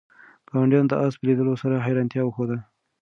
ګاونډیانو د آس په لیدلو سره حیرانتیا وښوده.